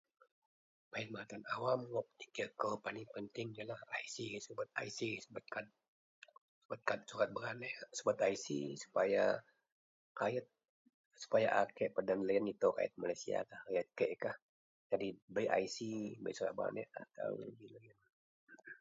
Perkhidmatan awam wak penikir kou paling penting yenlah IC, subet IC, subet kad, surat beraneak, subet IC supaya rayet, supaya a kek peden loyen itou rayet Malaysiakah, rayet kek kah. Jadi bei IC bei surat beranakkah taou ji loyen,